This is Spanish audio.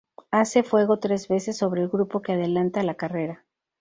Hace fuego tres veces sobre el grupo que adelanta a la carrera.